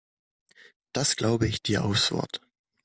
Das glaube ich dir aufs Wort.